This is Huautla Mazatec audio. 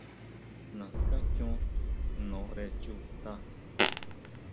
Naská chon jnore chuta.